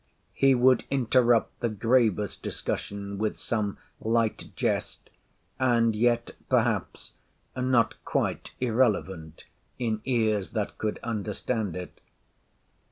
—He would interrupt the gravest discussion with some light jest; and yet, perhaps, not quite irrelevant in ears that could understand it.